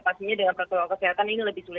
pastinya dengan protokol kesehatan ini lebih sulit